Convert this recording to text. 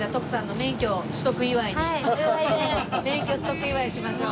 免許取得祝いしましょう。